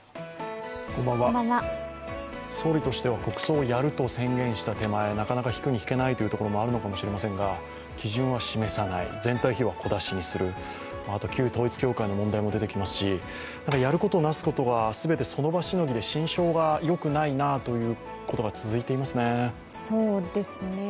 総理としては国葬をやると宣言した手前なかなか引くに引けないというところもあるのかもしれませんが基準は示さない、全体費用は小出しにする、あと旧統一教会の問題も出てきますし、やることなすことが全てその場しのぎで心証がよくないなということが続いていますね。